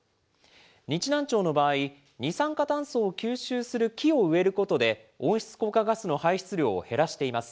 日南町の場合、二酸化炭素を吸収する木を植えることで、温室効果ガスの排出量を減らしています。